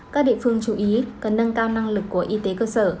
các địa phương chú ý cần nâng cao năng lực của y tế cơ sở